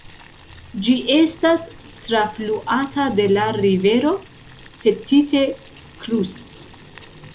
Ĝi estas trafluata de la rivero Petite Creuse.